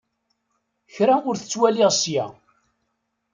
Kra ur t-ttwaliɣ ssya.